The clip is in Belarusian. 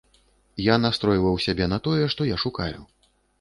Я настройваў сябе на тое, што я шукаю.